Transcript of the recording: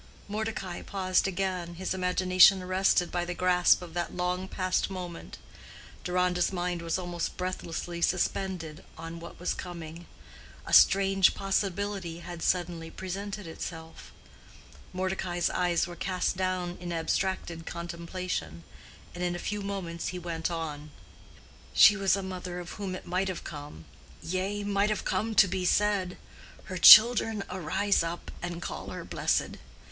'" Mordecai paused again, his imagination arrested by the grasp of that long passed moment. Deronda's mind was almost breathlessly suspended on what was coming. A strange possibility had suddenly presented itself. Mordecai's eyes were cast down in abstracted contemplation, and in a few moments he went on, "She was a mother of whom it might have come—yea, might have come to be said, 'Her children arise up and call her blessed.